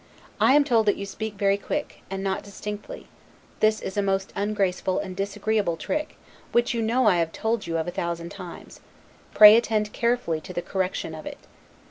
I am told that you speak very quick, and not distinctly; this is a most ungraceful and disagreeable trick, which you know I have told you of a thousand times; pray attend carefully to the correction of it.